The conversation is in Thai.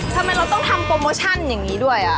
ทำไมเราต้องทำโปรโมชั่นอย่างนี้ด้วย